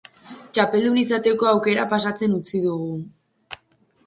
Txapeldun izateko aukera pasatzen utzi dugu.